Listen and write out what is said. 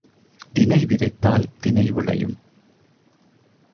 தினை விதைத்தால் தினை விளையும்.